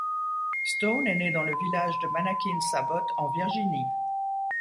Stone est né dans le village de Manakin-Sabot, en Virginie.